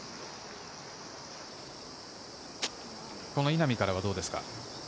稲見からはどうですか？